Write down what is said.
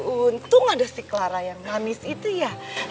untung ada si kelara yang manis itu ya